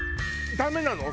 ダメなの？